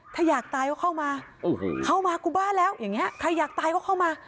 ถ้าอยากตายก็เข้ามาเข้ามากูบ้าแล้วอย่างนี้ใครอยากตายก็เข้ามา